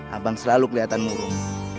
abang selalu kelihatan murung